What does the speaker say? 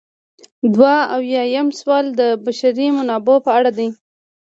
دوه اویایم سوال د بشري منابعو په اړه دی.